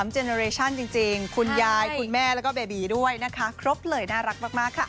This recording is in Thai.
เจเนอเรชั่นจริงคุณยายคุณแม่แล้วก็เบบีด้วยนะคะครบเลยน่ารักมากค่ะ